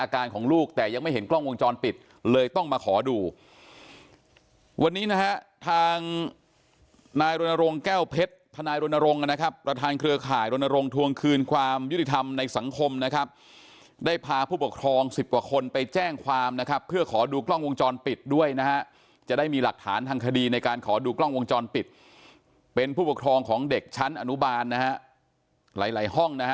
ยังไม่เห็นกล้องวงจรปิดเลยต้องมาขอดูวันนี้นะฮะทางนายรณรงค์แก้วเพชรทนายรณรงค์นะครับประธานเครือข่ายรณรงค์ทวงคืนความยุติธรรมในสังคมนะครับได้พาผู้ปกครองสิบกว่าคนไปแจ้งความนะครับเพื่อขอดูกล้องวงจรปิดด้วยนะฮะจะได้มีหลักฐานทางคดีในการขอดูกล้องวงจรปิดเป็นผู้ปกครองของเด็กชั้นอนุบาลนะฮะหลายหลายห้องนะฮะ